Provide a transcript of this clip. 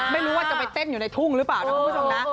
ไม่รู้ว่าจะไปเต้นอยู่ในทุ่งหรือเปล่านะคุณผู้ชมนะ